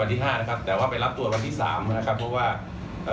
ที่ห้านะครับแต่ว่าไปรับตัววันที่สามนะครับเพราะว่าเอ่อ